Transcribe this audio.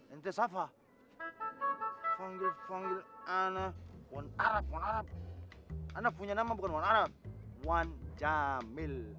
ente safa panggil panggil anak wan arab anak punya nama bukan wan arab wan jamil